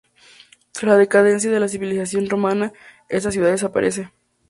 Tras la decadencia de la civilización romana, esta ciudad desaparece.